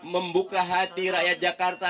membuka hati rakyat jakarta